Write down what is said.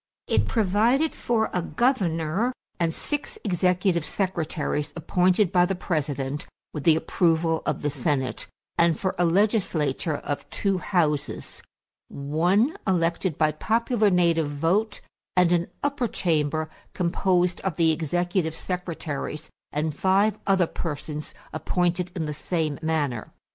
It provided for a governor and six executive secretaries appointed by the President with the approval of the Senate; and for a legislature of two houses one elected by popular native vote, and an upper chamber composed of the executive secretaries and five other persons appointed in the same manner.